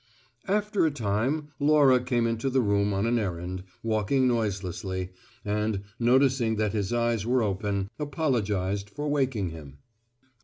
After a time, Laura came into the room on an errand, walking noiselessly, and, noticing that his eyes were open, apologized for waking him.